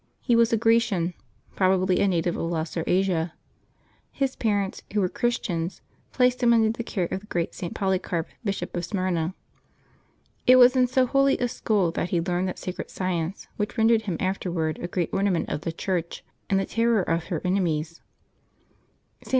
He was a V^ Grecian, probably a native of Lesser Asia. His parents, who were Christians, placed him under the care of the great St. Polycarp, Bishop of Smyrna. It was in so holy a school that he learned that sacred science which rendered him afterward a great ornament of the Church and the terror of her enemies. St.